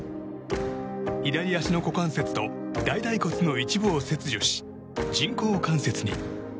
左足の股関節と大腿骨の一部を切除し人工関節に。